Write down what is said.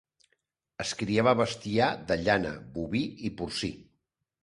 Es criava bestiar de llana, boví i porcí.